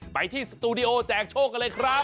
ไปที่สตูดิโอแจกโชคกันเลยครับ